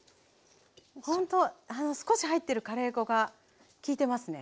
ほんと少し入ってるカレー粉が効いてますね。